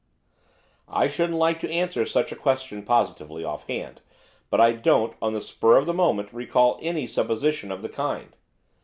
'I shouldn't like to answer such a question positively, offhand, but I don't, on the spur of the moment, recall any supposition of the kind.